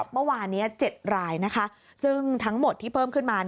เมื่อวานนี้๗รายซึ่งทั้งหมดที่เพิ่มขึ้นมา